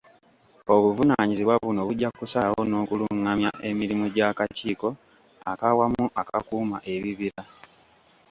Obuvunaanyizibwa buno bujja kusalawo n'okulungamya emirimu gy'Akakiiko ak'Awamu Akakuuma Ebibira.